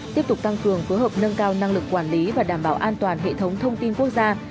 tiếp tục tăng cường phối hợp nâng cao năng lực quản lý và đảm bảo an toàn hệ thống thông tin quốc gia